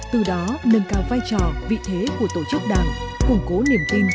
từ đó nâng cao vai trò vị thế của tổ chức đảng củng cố niềm tin trong nhân dân